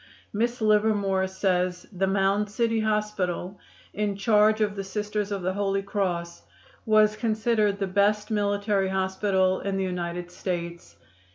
Miss Livermore says the Mound City Hospital, in charge of the Sisters of the Holy Cross, was considered the best military hospital in the United States.